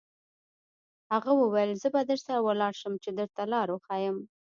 هغه وویل: زه به درسره ولاړ شم، چې درته لار وښیم.